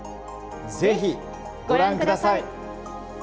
ぜひ、ご覧ください。